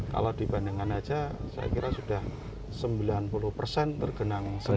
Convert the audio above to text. kalau dibandingkan saja saya kira sudah sembilan puluh persen tergenang